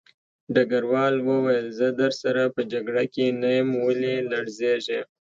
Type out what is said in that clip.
ډګروال وویل زه درسره په جګړه کې نه یم ولې لړزېږې